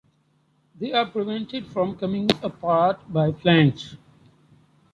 They are prevented from coming apart by flanges.